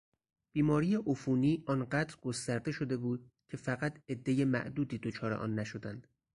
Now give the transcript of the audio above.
بیماری عفونی آنقدرگسترده شده بود که فقط عدهی معدودی دچار آن نشدند.